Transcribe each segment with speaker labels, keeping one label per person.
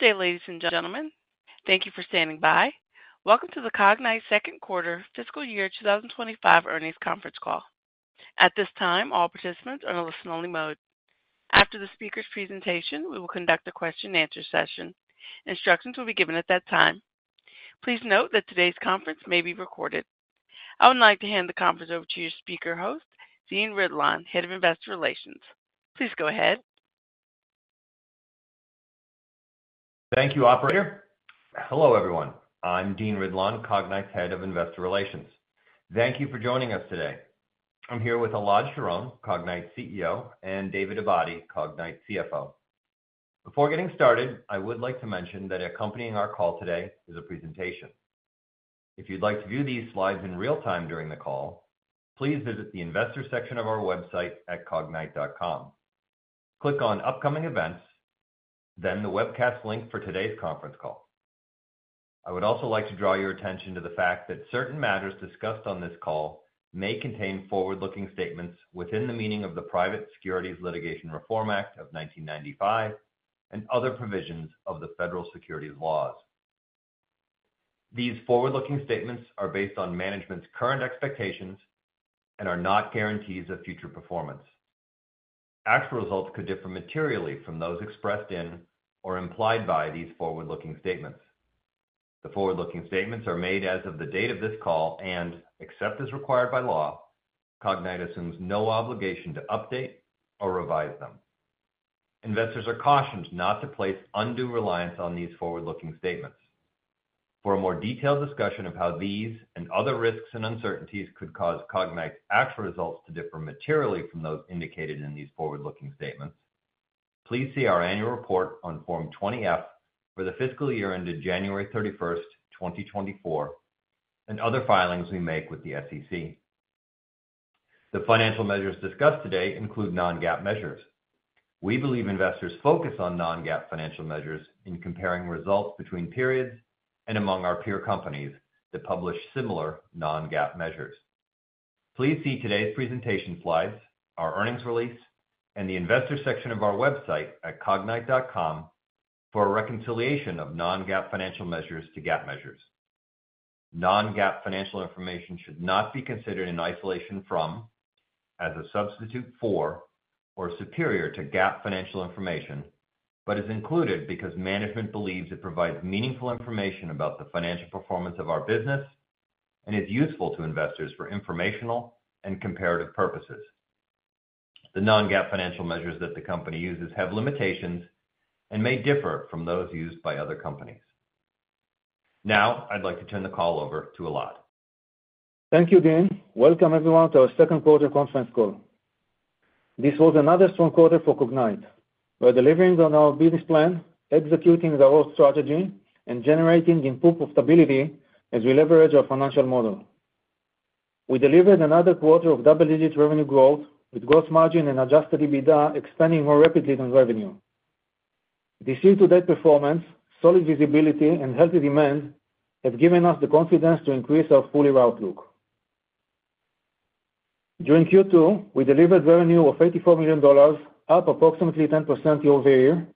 Speaker 1: Good day, ladies and gentlemen. Thank you for standing by. Welcome to the Cognyte second quarter fiscal year two thousand twenty-five earnings conference call. At this time, all participants are in a listen-only mode. After the speaker's presentation, we will conduct a question-and-answer session. Instructions will be given at that time. Please note that today's conference may be recorded. I would like to hand the conference over to your speaker host, Dean Ridlon, Head of Investor Relations. Please go ahead.
Speaker 2: Thank you, operator. Hello, everyone. I'm Dean Ridlon, Cognyte's Head of Investor Relations. Thank you for joining us today. I'm here with Elad Sharon, Cognyte's CEO, and David Abadi, Cognyte's CFO. Before getting started, I would like to mention that accompanying our call today is a presentation. If you'd like to view these slides in real time during the call, please visit the investor section of our website at cognyte.com. Click on Upcoming Events, then the webcast link for today's conference call. I would also like to draw your attention to the fact that certain matters discussed on this call may contain forward-looking statements within the meaning of the Private Securities Litigation Reform Act of nineteen ninety-five and other provisions of the Federal Securities laws. These forward-looking statements are based on management's current expectations and are not guarantees of future performance. Actual results could differ materially from those expressed in or implied by these forward-looking statements. The forward-looking statements are made as of the date of this call, and, except as required by law, Cognyte assumes no obligation to update or revise them. Investors are cautioned not to place undue reliance on these forward-looking statements. For a more detailed discussion of how these and other risks and uncertainties could cause Cognyte's actual results to differ materially from those indicated in these forward-looking statements, please see our annual report on Form 20-F for the fiscal year ended January thirty-first, twenty twenty-four, and other filings we make with the SEC. The financial measures discussed today include non-GAAP measures. We believe investors focus on non-GAAP financial measures in comparing results between periods and among our peer companies that publish similar non-GAAP measures. Please see today's presentation slides, our earnings release, and the investor section of our website at cognyte.com for a reconciliation of non-GAAP financial measures to GAAP measures. Non-GAAP financial information should not be considered in isolation from, as a substitute for, or superior to GAAP financial information, but is included because management believes it provides meaningful information about the financial performance of our business and is useful to investors for informational and comparative purposes. The non-GAAP financial measures that the company uses have limitations and may differ from those used by other companies. Now, I'd like to turn the call over to Elad.
Speaker 3: Thank you, Dean. Welcome, everyone, to our second quarter conference call. This was another strong quarter for Cognyte. We're delivering on our business plan, executing the whole strategy, and generating the proof of stability as we leverage our financial model. We delivered another quarter of double-digit revenue growth, with gross margin and Adjusted EBITDA expanding more rapidly than revenue. This year-to-date performance, solid visibility, and healthy demand have given us the confidence to increase our full-year outlook. During Q2, we delivered revenue of $84 million, up approximately 10% year over year.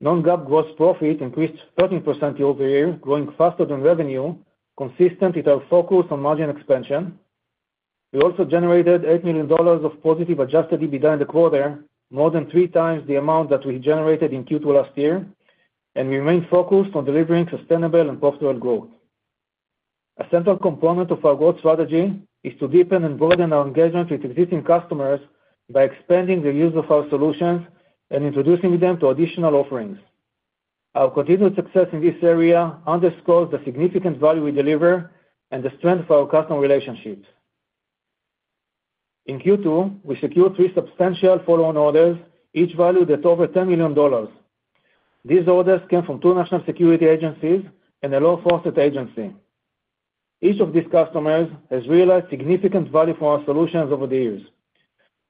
Speaker 3: Non-GAAP gross profit increased 13% year over year, growing faster than revenue, consistent with our focus on margin expansion. We also generated $8 million of positive Adjusted EBITDA in the quarter, more than three times the amount that we generated in Q2 last year, and we remain focused on delivering sustainable and profitable growth. A central component of our growth strategy is to deepen and broaden our engagement with existing customers by expanding the use of our solutions and introducing them to additional offerings. Our continued success in this area underscores the significant value we deliver and the strength of our customer relationships. In Q2, we secured three substantial follow-on orders, each valued at over $10 million. These orders came from two national security agencies and a law enforcement agency. Each of these customers has realized significant value from our solutions over the years.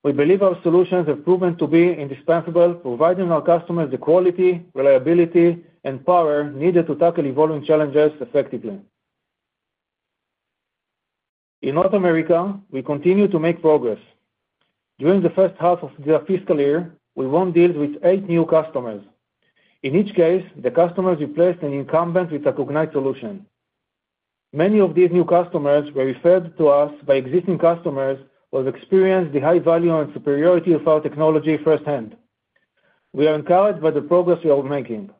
Speaker 3: We believe our solutions have proven to be indispensable, providing our customers the quality, reliability, and power needed to tackle evolving challenges effectively. In North America, we continue to make progress. During the first half of the fiscal year, we won deals with eight new customers. In each case, the customers replaced an incumbent with a Cognyte solution. Many of these new customers were referred to us by existing customers who have experienced the high value and superiority of our technology firsthand. We are encouraged by the progress we are making.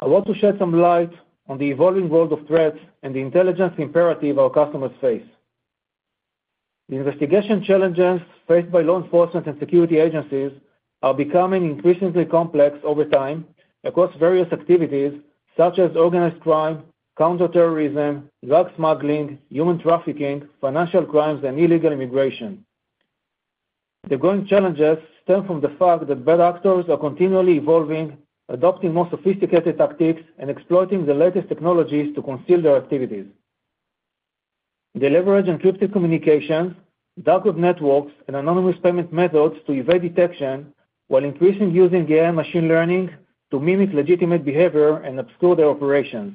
Speaker 3: I want to shed some light on the evolving world of threats and the intelligence imperative our customers face. The investigation challenges faced by law enforcement and security agencies are becoming increasingly complex over time across various activities such as organized crime, counterterrorism, drug smuggling, human trafficking, financial crimes, and illegal immigration. The growing challenges stem from the fact that bad actors are continually evolving, adopting more sophisticated tactics, and exploiting the latest technologies to conceal their activities. They leverage encrypted communications, dark web networks, and anonymous payment methods to evade detection, while increasingly using AI and machine learning to mimic legitimate behavior and obscure their operations.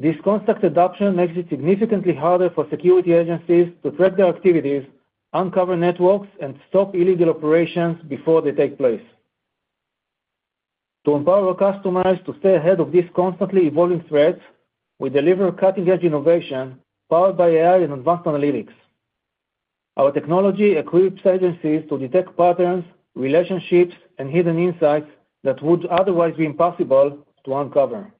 Speaker 3: This constant adoption makes it significantly harder for security agencies to track their activities, uncover networks, and stop illegal operations before they take place. To empower our customers to stay ahead of these constantly evolving threats, we deliver cutting-edge innovation powered by AI and advanced analytics. Our technology equips agencies to detect patterns, relationships, and hidden insights that would otherwise be impossible to uncover.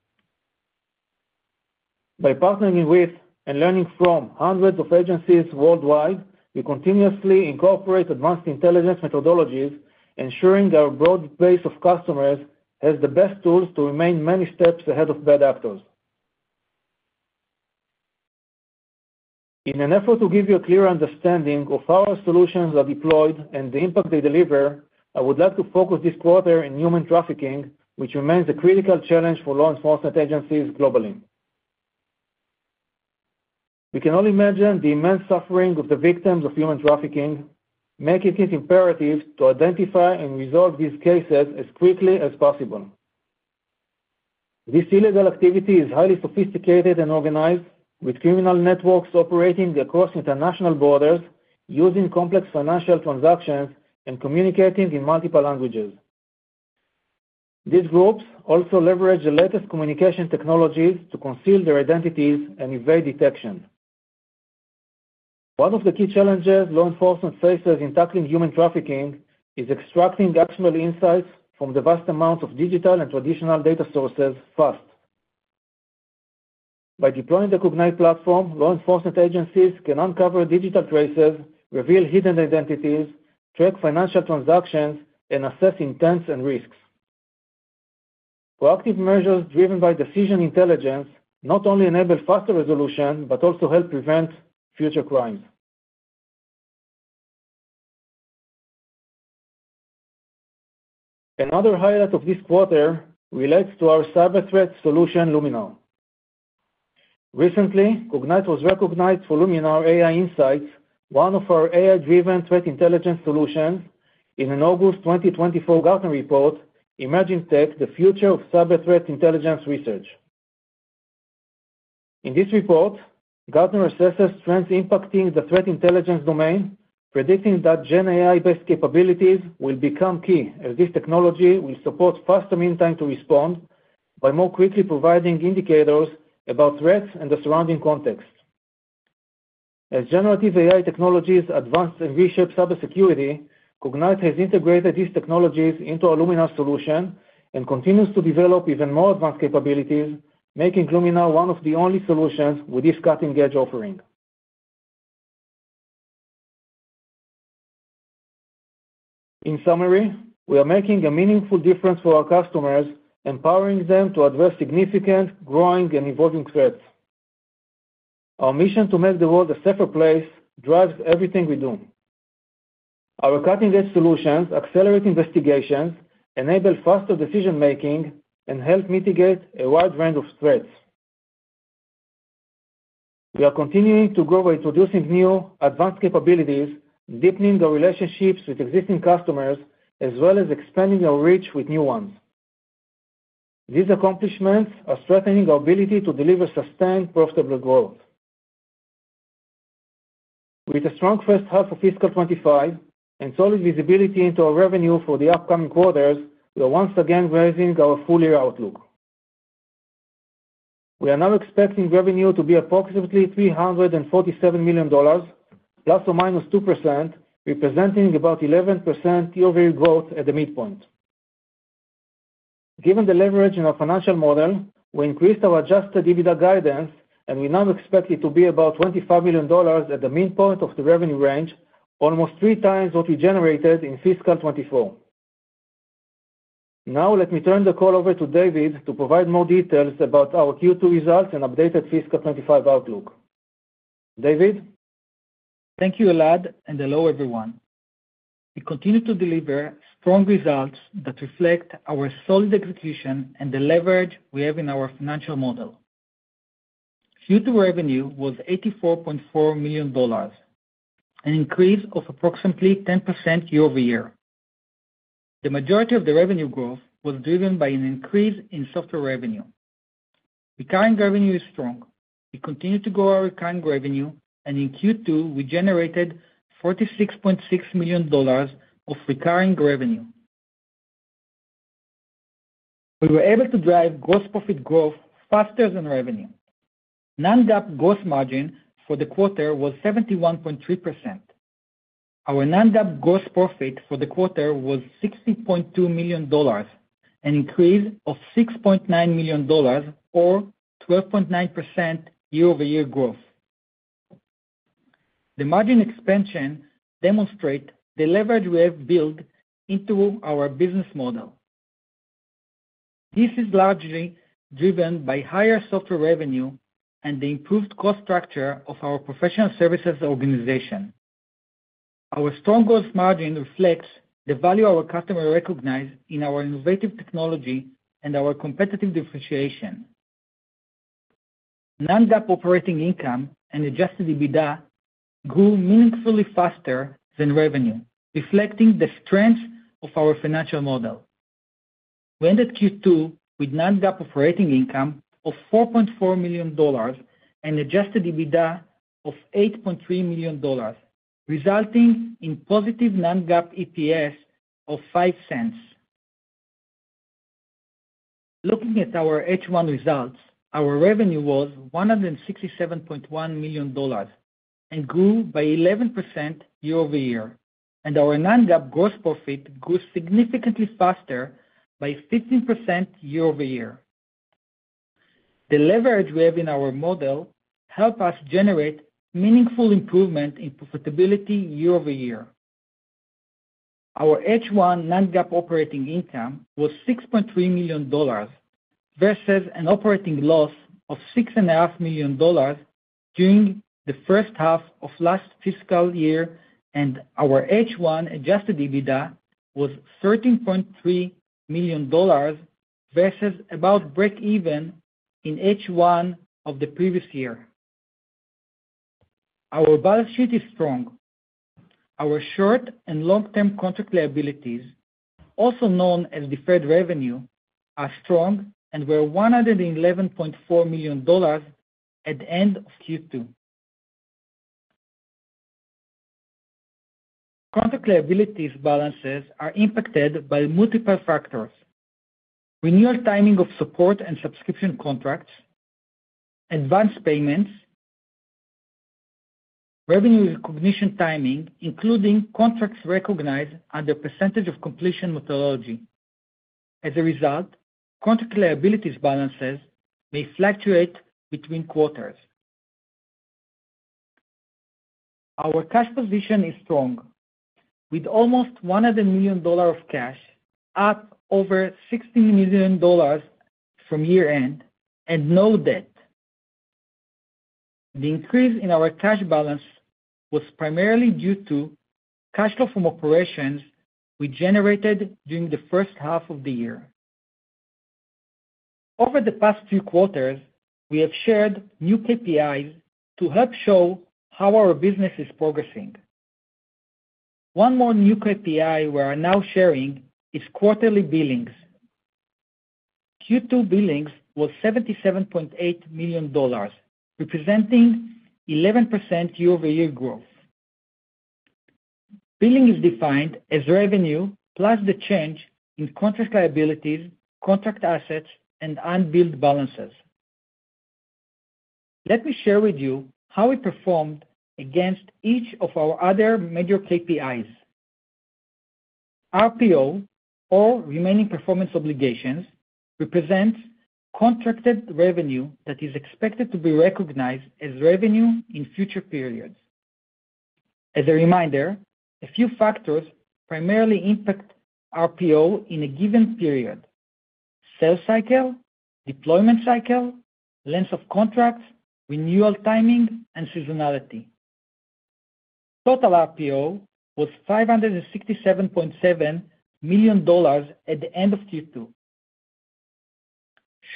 Speaker 3: By partnering with and learning from hundreds of agencies worldwide, we continuously incorporate advanced intelligence methodologies, ensuring our broad base of customers has the best tools to remain many steps ahead of bad actors. In an effort to give you a clear understanding of how our solutions are deployed and the impact they deliver, I would like to focus this quarter in human trafficking, which remains a critical challenge for law enforcement agencies globally. We can only imagine the immense suffering of the victims of human trafficking, making it imperative to identify and resolve these cases as quickly as possible. This illegal activity is highly sophisticated and organized, with criminal networks operating across international borders, using complex financial transactions, and communicating in multiple languages. These groups also leverage the latest communication technologies to conceal their identities and evade detection. One of the key challenges law enforcement faces in tackling human trafficking is extracting actionable insights from the vast amounts of digital and traditional data sources fast. By deploying the Cognyte Platform, law enforcement agencies can uncover digital traces, reveal hidden identities, track financial transactions, and assess intents and risks. Proactive measures driven by decision intelligence not only enable faster resolution, but also help prevent future crimes. Another highlight of this quarter relates to our cyber threat solution, Lumina. Recently, Cognyte was recognized for Lumina AI Insights, one of our AI-driven threat intelligence solutions, in an August twenty twenty-four Gartner report, Emerging Tech: The Future of Cyber Threat Intelligence Research. In this report, Gartner assesses trends impacting the threat intelligence domain, predicting that Gen AI-based capabilities will become key, as this technology will support faster mean time to respond by more quickly providing indicators about threats and the surrounding context. As generative AI technologies advance and reshape cybersecurity, Cognyte has integrated these technologies into our Lumina solution and continues to develop even more advanced capabilities, making Lumina one of the only solutions with this cutting-edge offering. In summary, we are making a meaningful difference for our customers, empowering them to address significant, growing, and evolving threats. Our mission to make the world a safer place drives everything we do. Our cutting-edge solutions accelerate investigations, enable faster decision-making, and help mitigate a wide range of threats. We are continuing to grow by introducing new advanced capabilities, deepening our relationships with existing customers, as well as expanding our reach with new ones. These accomplishments are strengthening our ability to deliver sustained, profitable growth. With a strong first half of fiscal 2025 and solid visibility into our revenue for the upcoming quarters, we are once again raising our full-year outlook. We are now expecting revenue to be approximately $347 million, plus or minus 2%, representing about 11% year-over-year growth at the midpoint. Given the leverage in our financial model, we increased our Adjusted EBITDA guidance, and we now expect it to be about $25 million at the midpoint of the revenue range, almost three times what we generated in fiscal 2024. Now, let me turn the call over to David to provide more details about our Q2 results and updated fiscal twenty-five outlook. David?
Speaker 4: Thank you, Elad, and hello, everyone. We continue to deliver strong results that reflect our solid execution and the leverage we have in our financial model. Q2 revenue was $84.4 million, an increase of approximately 10% year-over-year. The majority of the revenue growth was driven by an increase in software revenue. Recurring revenue is strong. We continue to grow our recurring revenue, and in Q2, we generated $46.6 million of recurring revenue. We were able to drive gross profit growth faster than revenue. Non-GAAP gross margin for the quarter was 71.3%. Our non-GAAP gross profit for the quarter was $60.2 million, an increase of $6.9 million or 12.9% year-over-year growth. The margin expansion demonstrate the leverage we have built into our business model. This is largely driven by higher software revenue and the improved cost structure of our professional services organization. Our strong gross margin reflects the value our customers recognize in our innovative technology and our competitive differentiation. Non-GAAP operating income and adjusted EBITDA grew meaningfully faster than revenue, reflecting the strength of our financial model. We ended Q2 with non-GAAP operating income of $4.4 million and adjusted EBITDA of $8.3 million, resulting in positive non-GAAP EPS of $0.05. Looking at our H1 results, our revenue was $167.1 million, and grew by 11% year-over-year, and our non-GAAP gross profit grew significantly faster by 15% year-over-year. The leverage we have in our model help us generate meaningful improvement in profitability year-over-year. Our H1 non-GAAP operating income was $6.3 million, versus an operating loss of $6.5 million during the first half of last fiscal year, and our H1 Adjusted EBITDA was $13.3 million, versus about breakeven in H1 of the previous year. Our balance sheet is strong. Our short and long-term contract liabilities, also known as deferred revenue, are strong and were $111.4 million at the end of Q2. Contract liabilities balances are impacted by multiple factors: renewal timing of support and subscription contracts, advanced payments, revenue recognition timing, including contracts recognized under percentage of completion methodology. As a result, contract liabilities balances may fluctuate between quarters. Our cash position is strong, with almost $100 million of cash, up over $60 million from year-end, and no debt. The increase in our cash balance was primarily due to cash flow from operations we generated during the first half of the year. Over the past few quarters, we have shared new KPIs to help show how our business is progressing. One more new KPI we are now sharing is quarterly billings. Q2 billings was $77.8 million, representing 11% year-over-year growth. Billings is defined as revenue, plus the change in contract liabilities, contract assets, and unbilled balances. Let me share with you how we performed against each of our other major KPIs. RPO, or remaining performance obligations, represents contracted revenue that is expected to be recognized as revenue in future periods. As a reminder, a few factors primarily impact RPO in a given period: sales cycle, deployment cycle, length of contracts, renewal, timing, and seasonality. Total RPO was $567.7 million at the end of Q2.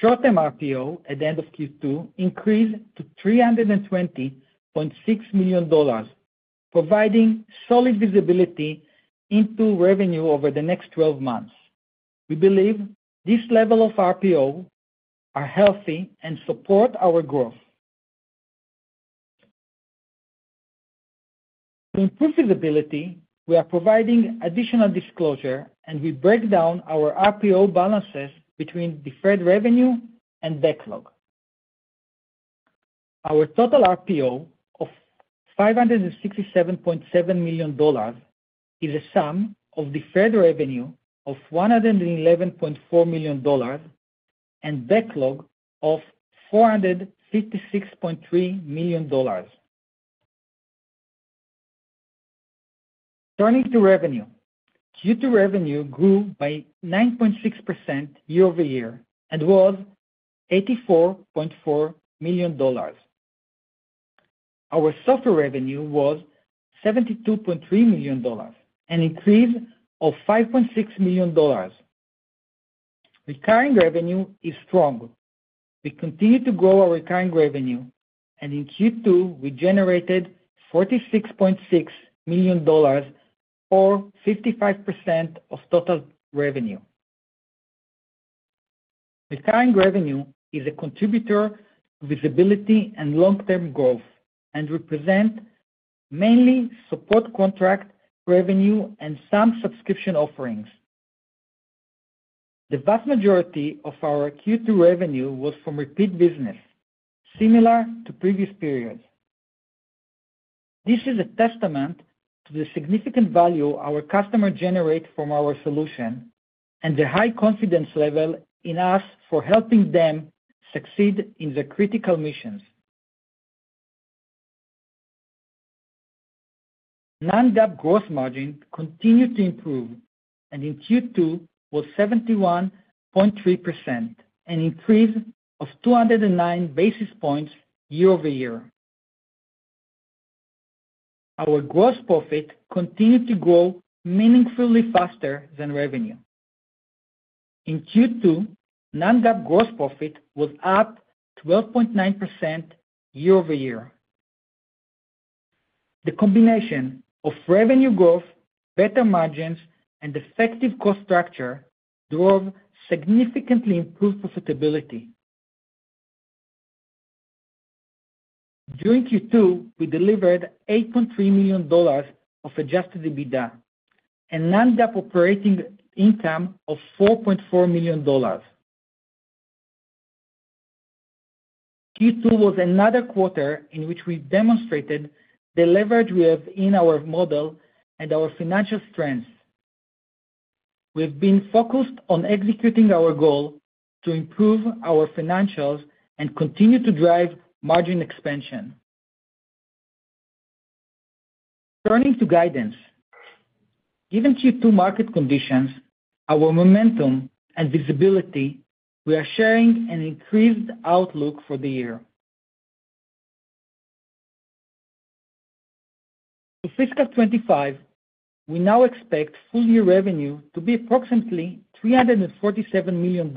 Speaker 4: Short-term RPO at the end of Q2 increased to $320.6 million, providing solid visibility into revenue over the next 12 months. We believe this level of RPO are healthy and support our growth. To improve visibility, we are providing additional disclosure, and we break down our RPO balances between deferred revenue and backlog. Our total RPO of $567.7 million is a sum of deferred revenue of $111.4 million and backlog of $456.3 million. Turning to revenue, Q2 revenue grew by 9.6% year-over-year and was $84.4 million. Our software revenue was $72.3 million, an increase of $5.6 million. Recurring revenue is strong. We continue to grow our recurring revenue, and in Q2, we generated $46.6 million, or 55% of total revenue. Recurring revenue is a contributor to visibility and long-term growth and represent mainly support contract revenue and some subscription offerings. The vast majority of our Q2 revenue was from repeat business, similar to previous periods. This is a testament to the significant value our customers generate from our solution and the high confidence level in us for helping them succeed in their critical missions. Non-GAAP gross margin continued to improve, and in Q2 was 71.3%, an increase of 209 basis points year-over-year. Our gross profit continued to grow meaningfully faster than revenue. In Q2, non-GAAP gross profit was up 12.9% year-over-year. The combination of revenue growth, better margins, and effective cost structure drove significantly improved profitability. During Q2, we delivered $8.3 million of adjusted EBITDA, and non-GAAP operating income of $4.4 million. Q2 was another quarter in which we demonstrated the leverage we have in our model and our financial strength. We've been focused on executing our goal to improve our financials and continue to drive margin expansion. Turning to guidance. Given Q2 market conditions, our momentum, and visibility, we are sharing an increased outlook for the year. For fiscal twenty-five, we now expect full-year revenue to be approximately $347 million,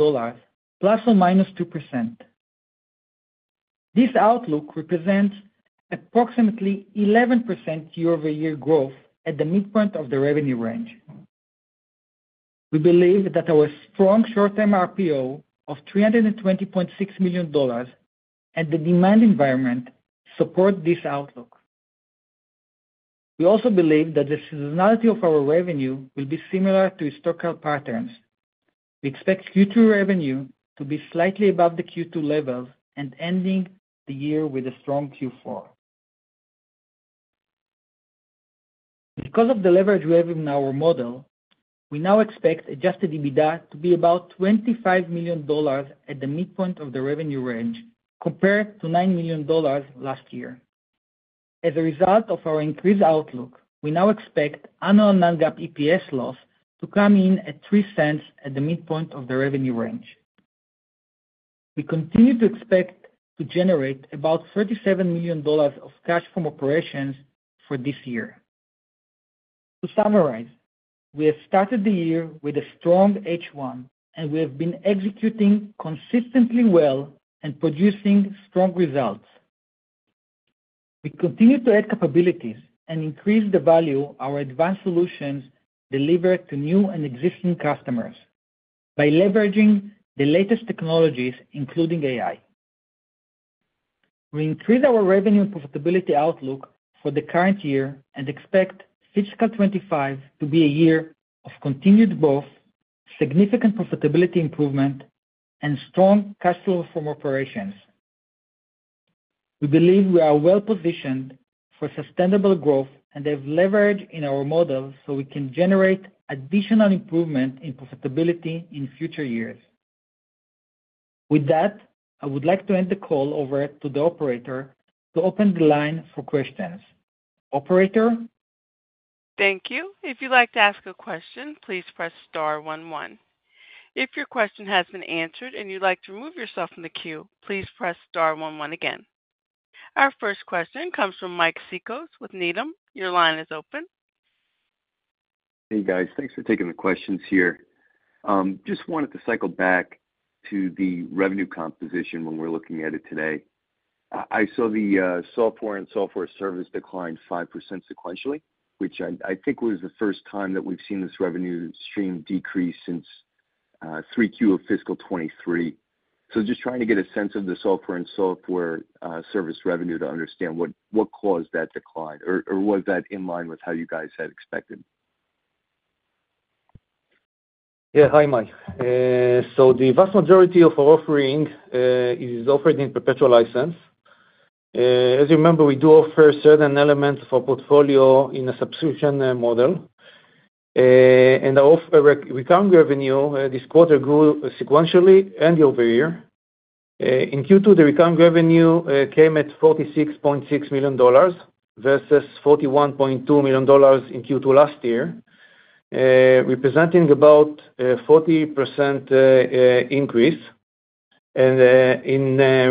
Speaker 4: plus or minus 2%. This outlook represents approximately 11% year-over-year growth at the midpoint of the revenue range. We believe that our strong short-term RPO of $320.6 million and the demand environment support this outlook. We also believe that the seasonality of our revenue will be similar to historical patterns. We expect Q2 revenue to be slightly above the Q2 levels and ending the year with a strong Q4. Because of the leverage we have in our model, we now expect adjusted EBITDA to be about $25 million at the midpoint of the revenue range, compared to $9 million last year. As a result of our increased outlook, we now expect annual non-GAAP EPS loss to come in at $0.03 at the midpoint of the revenue range. We continue to expect to generate about $37 million of cash from operations for this year. To summarize, we have started the year with a strong H1, and we have been executing consistently well and producing strong results. We continue to add capabilities and increase the value our advanced solutions deliver to new and existing customers by leveraging the latest technologies, including AI. We increased our revenue and profitability outlook for the current year and expect fiscal twenty-five to be a year of continued growth, significant profitability improvement, and strong cash flow from operations. We believe we are well positioned for sustainable growth and have leverage in our model so we can generate additional improvement in profitability in future years. With that, I would like to hand the call over to the operator to open the line for questions. Operator?
Speaker 1: Thank you. If you'd like to ask a question, please press star one, one. If your question has been answered and you'd like to remove yourself from the queue, please press star one, one again. Our first question comes from Mike Cikos with Needham. Your line is open.
Speaker 5: Hey, guys. Thanks for taking the questions here. Just wanted to cycle back to the revenue composition when we're looking at it today. I saw the software and service declined 5% sequentially, which I think was the first time that we've seen this revenue stream decrease since 3Q of fiscal 2023. So just trying to get a sense of the software and service revenue to understand what caused that decline, or was that in line with how you guys had expected?
Speaker 4: Yeah. Hi, Mike, so the vast majority of our offering is offered in perpetual license. As you remember, we do offer certain elements of our portfolio in a subscription model. And the recurring revenue this quarter grew sequentially and year over year. In Q2, the recurring revenue came at $46.6 million versus $41.2 million in Q2 last year, representing about a 40% increase, and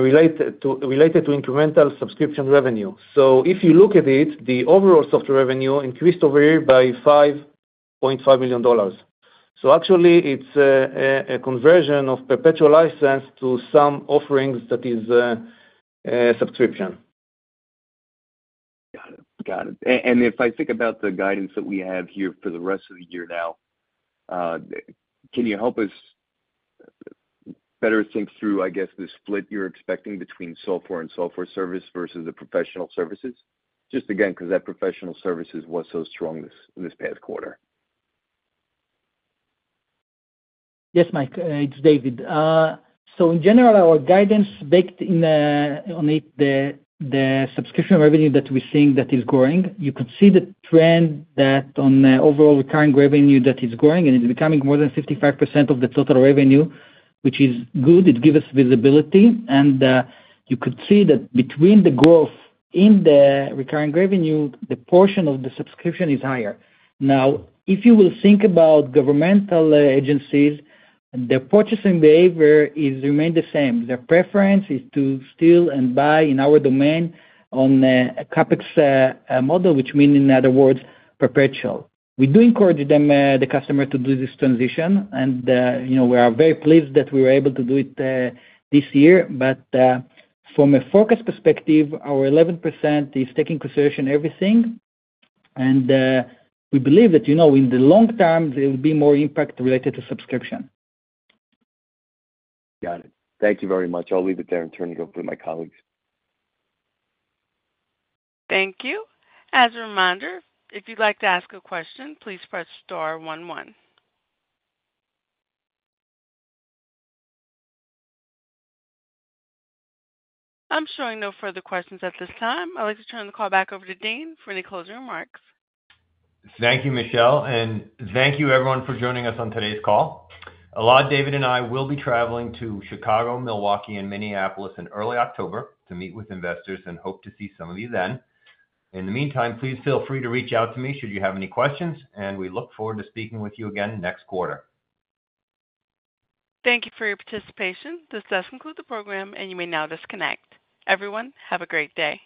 Speaker 4: related to incremental subscription revenue. So if you look at it, the overall software revenue increased over here by $5.5 million, so actually, it's a conversion of perpetual license to some offerings that is a subscription.
Speaker 5: Got it. Got it. And if I think about the guidance that we have here for the rest of the year now, can you help us better think through, I guess, the split you're expecting between software and software service versus the professional services? Just again, 'cause that professional services was so strong this past quarter.
Speaker 4: Yes, Mike, it's David. So in general, our guidance baked in on it the subscription revenue that we're seeing that is growing. You could see the trend that on the overall recurring revenue, that is growing, and it's becoming more than 55% of the total revenue, which is good. It gives us visibility, and you could see that between the growth in the recurring revenue, the portion of the subscription is higher. Now, if you will think about governmental agencies, their purchasing behavior is remain the same. Their preference is to still and buy in our domain on a CapEx model, which mean, in other words, perpetual. We do encourage them the customer to do this transition, and you know, we are very pleased that we were able to do it this year. From a focus perspective, our 11% is taking into consideration everything, and we believe that, you know, in the long term, there will be more impact related to subscription.
Speaker 5: Got it. Thank you very much. I'll leave it there and turn it over to my colleagues.
Speaker 1: Thank you. As a reminder, if you'd like to ask a question, please press star one, one. I'm showing no further questions at this time. I'd like to turn the call back over to Dean for any closing remarks.
Speaker 2: Thank you, Michelle, and thank you everyone for joining us on today's call. Elad, David, and I will be traveling to Chicago, Milwaukee, and Minneapolis in early October to meet with investors and hope to see some of you then. In the meantime, please feel free to reach out to me should you have any questions, and we look forward to speaking with you again next quarter.
Speaker 1: Thank you for your participation. This does conclude the program, and you may now disconnect. Everyone, have a great day.